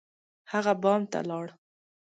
هغه بام ته لاړ.